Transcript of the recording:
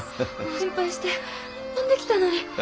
心配して飛んできたのに。